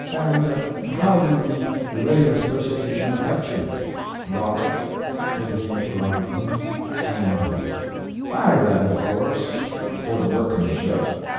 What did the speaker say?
"And how did the latest persecution affect you?"[Pg 178] "Robert?" said he, interrogatively. I nodded. "I read it, of course, for the workmanship.